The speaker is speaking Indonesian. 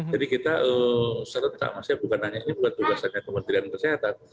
jadi kita serta merta bukan hanya ini bukan tugasnya kementerian kesehatan